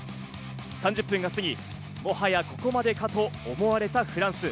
３０分が過ぎ、もはやここまでかと思われたフランス。